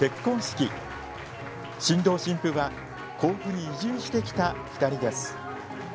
新郎新婦は甲府に移住してきた２人です。